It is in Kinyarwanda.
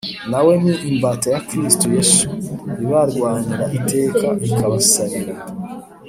na we ni imbata ya Kristo Yesu ibarwanira iteka ikabasabira